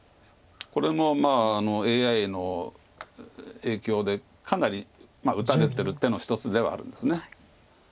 これもＡＩの影響でかなり打たれてる手の一つではあるんです。